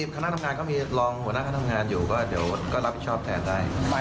ขณะทำงานก็มีหลองหัวหน้าทำงานอยู่ก็รับผิดชอบแทนได้